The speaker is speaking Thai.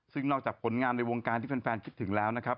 ซึ่งนอกจากผลงานในวงการที่แฟนคิดถึงแล้วนะครับ